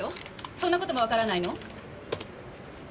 そんな事もわからないの？